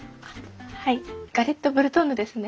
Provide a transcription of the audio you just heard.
はいガレットブルトンヌですね。